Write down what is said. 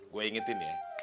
gue ingetin ya